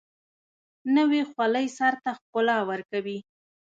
نوې خولۍ سر ته ښکلا ورکوي